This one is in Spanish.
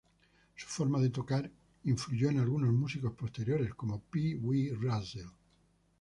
Su forma de tocar influyó en algunos músicos posteriores, como Pee Wee Russell.